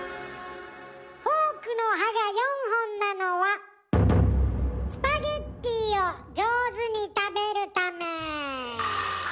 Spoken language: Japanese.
フォークの歯が４本なのはスパゲッティを上手に食べるため。